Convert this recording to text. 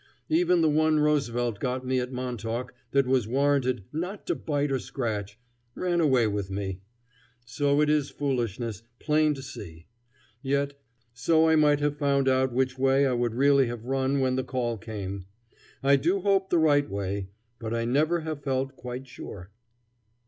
Even the one Roosevelt got me at Montauk that was warranted "not to bite or scratch" ran away with me. So it is foolishness, plain to see. Yet, so I might have found out which way I would really have run when the call came. I do hope the right way, but I never have felt quite sure.